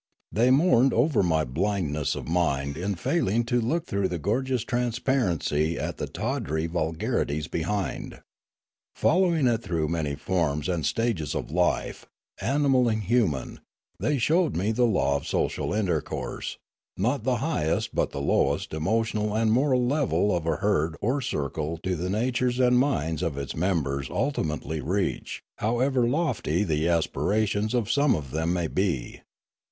They mourned over my blindness of mind in failing to look through the gorgeous transparency at the tawdry vulgarities behind. Following it through many forms and stages of life, animal and human, they showed me the law of social intercourse; not the highest but the lowest emotional and moral level of a herd or circle do the natures and minds of its members ultimately reach, however lofty the aspirations of some of them may be.